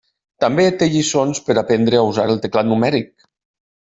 També té lliçons per aprendre a usar el teclat numèric.